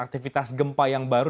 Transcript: aktivitas gempa yang baru